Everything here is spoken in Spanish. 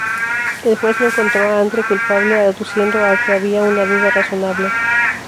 El juez no encontró a Andre culpable aduciendo a que había una duda razonable.